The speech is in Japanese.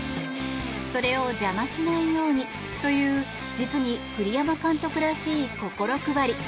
それを邪魔しないようにという実に栗山監督らしい心配り。